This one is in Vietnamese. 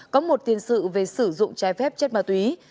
có một tiền sự về sử dụng trái phép chất ma túy